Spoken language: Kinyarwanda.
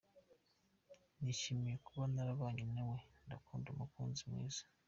nishimye kuba narabanye nawe, ndakunda mukunzi mwiza.